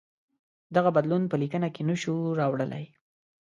دغه بدلون په لیکنه کې نه شو راوړلای.